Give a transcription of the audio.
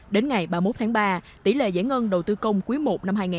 đến ngày ba mươi một tháng ba tỷ lệ giải ngân đầu tư công quý i